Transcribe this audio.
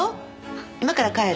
今から帰る。